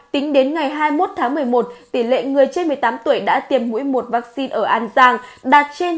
tính đến ngày hai mươi một tháng một mươi một tỷ lệ người trên một mươi tám tuổi đã tiêm mũi một vaccine ở an giang đạt trên chín mươi năm sáu mươi bảy